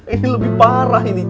ini lebih parah ini